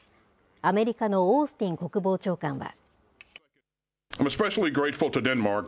アメリカのオースティン国防長官は。